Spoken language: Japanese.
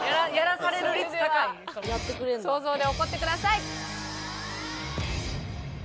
想像で怒ってください。